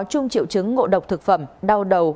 chung triệu chứng ngộ độc thực phẩm đau đầu